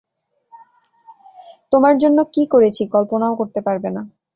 তোমার জন্য কি করেছি কল্পনাও করতে পারবে না।